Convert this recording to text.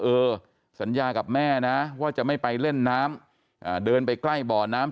เออสัญญากับแม่นะว่าจะไม่ไปเล่นน้ำเดินไปใกล้บ่อน้ำ